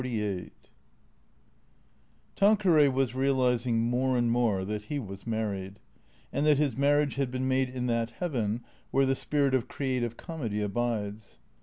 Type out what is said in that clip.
XLVIII TANQUEEAY was realizing more and more that he was married, and that his marriage had been made in that heaven where the spirit of creative comedy abides.